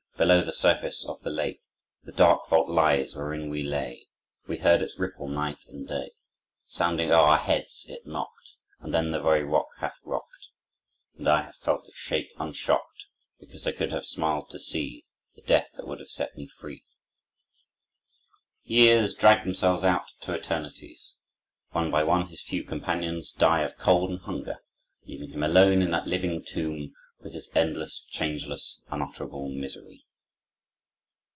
Below the surface of the lake The dark vault lies, wherein we lay: We heard its ripple night and day, Sounding o'er our heads it knocked, And then the very rock hath rocked, And I have felt it shake unshocked: Because I could have smiled to see The death that would have set me free." Years drag themselves out to eternities. One by one his few companions die of cold and hunger, leaving him alone in that living tomb, with his endless, changeless, unutterable misery.